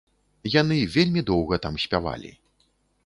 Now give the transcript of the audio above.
Яны вельмі доўга там спявалі.